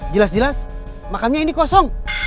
jelas jelas makamnya ini kosong